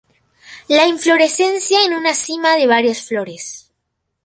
La inflorescencia en una cima de varias flores.